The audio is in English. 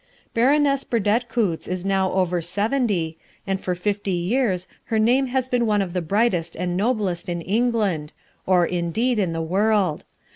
Baroness Burdett Coutts is now over seventy, and for fifty years her name has been one of the brightest and noblest in England, or, indeed, in the world.